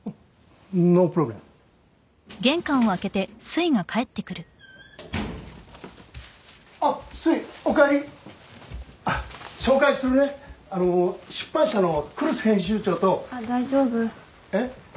ノープロブレムあっすいおかえり紹介するね出版社の来栖編集長と大丈夫えっ？